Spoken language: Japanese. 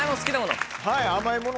甘いもの